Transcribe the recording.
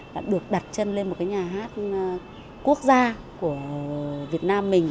đã được đặt chân lên một cái nhà hát quốc gia của việt nam mình